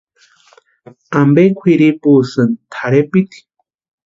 ¿Ampe kwʼiripusïni tʼarhepiti?